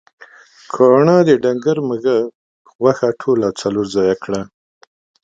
کاڼهٔ د ډنګر مږهٔ غوښه ټوله څلور ځایه کړه.